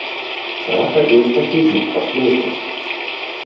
Rafael versteht nicht, was los ist.